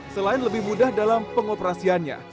selain lebih mudah dalam pengoperasiannya